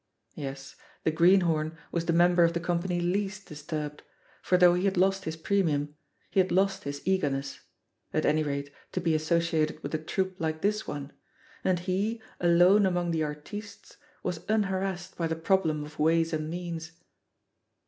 Yes, the greenhorn was the member of the company least disturbed, for though he had lost his premiiun, he had lost his eagerness — at any rate, to be associated with a troupe like this one ; and he, alone among the "artistes," was un harassed by the problem of ways and means.